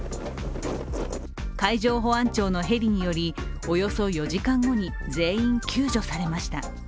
海上保安庁のヘリによりおよそ４時間後に全員救助されました。